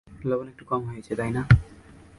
লবন একটু কম হয়েছে, তাই না?